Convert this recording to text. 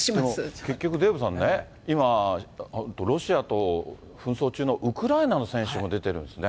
結局、デーブさんね、今、ロシアと紛争中のウクライナの選手も出てるんですね。